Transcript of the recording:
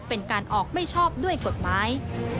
เป็นการออกไม่ชอบด้วยกฎหมาย